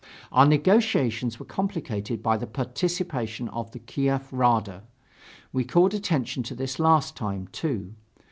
Our negotiations were complicated by the participation of the Kiev Rada. We called attention to this last time, too.